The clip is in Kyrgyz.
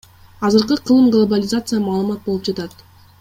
Азыркы кылым глобализация, маалымат болуп жатат.